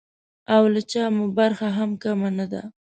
او له چا مو برخه هم کمه نه ده.